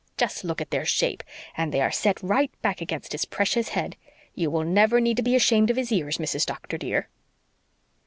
Just look at their shape and they are set right back against his precious head. You will never need to be ashamed of his ears, Mrs. Doctor, dear."